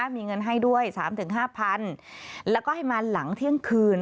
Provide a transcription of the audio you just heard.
มีเงินให้ด้วย๓๕๐๐๐แล้วก็ให้มาหลังเที่ยงคืน